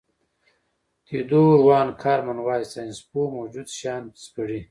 تیودور وان کارمن وايي ساینسپوه موجود شیان سپړي.